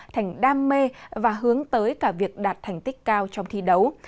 thành đam mê và hướng tới cả việc đạt thành tích cao trong thi đấu